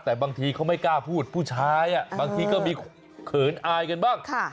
แต่บางทีเขาไม่กล้าพูดผู้ชายบางทีก็มีเขินอายกันบ้าง